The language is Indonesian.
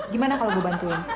gimana kalau gue bantuin